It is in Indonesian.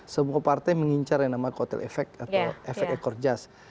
semua partai mengincar yang nama kotel efek atau efek ekor jas